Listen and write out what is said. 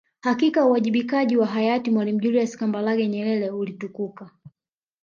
Hakika uwajibikaji wa hayati Mwalimu Julius Kambarage Nyerere ulitukuka